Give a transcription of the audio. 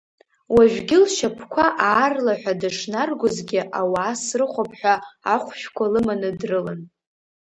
Уажәгьы лшьапқәа аарлаҳәа дышнаргозгьы ауаа срыхәап ҳәа ахәшәқәа лыманы дрылан.